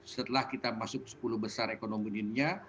setelah kita masuk sepuluh besar ekonominya